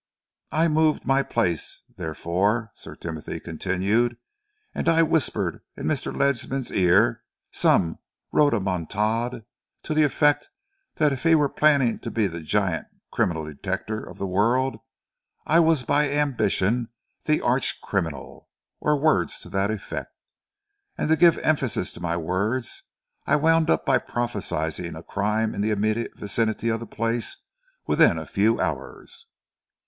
"I moved my place, therefore," Sir Timothy continued, "and I whispered in Mr. Ledsam's ear some rodomontade to the effect that if he were planning to be the giant crime detector of the world, I was by ambition the arch criminal or words to that effect. And to give emphasis to my words, I wound up by prophesying a crime in the immediate vicinity of the place within a few hours."